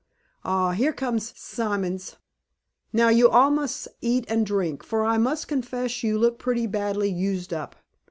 Ah! here comes Simons. Now you all must eat and drink, for I must confess you look pretty badly used up."